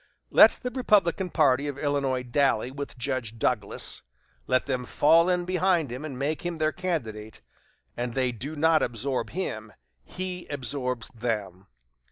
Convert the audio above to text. Let the Republican party of Illinois dally with Judge Douglas, let them fall in behind him and make him their candidate, and they do not absorb him he absorbs them.